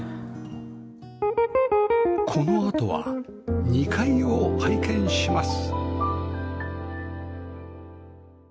このあとは２階を拝見します